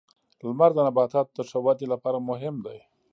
• لمر د نباتاتو د ښه ودې لپاره مهم دی.